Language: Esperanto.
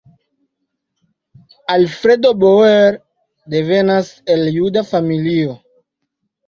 Alfredo Bauer devenas el juda familio.